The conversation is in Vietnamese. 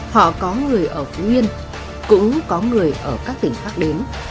họ có người ở phú yên cũng có người ở các tỉnh khác đến